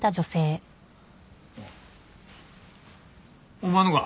お前のか？